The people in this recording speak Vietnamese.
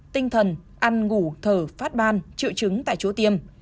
tinh thần ăn ngủ thở phát ban triệu chứng tại chỗ tiêm